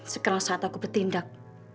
sekarang saat aku bertindak